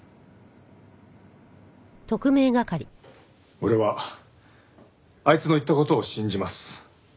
俺はあいつの言った事を信じます。